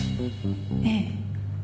ええ。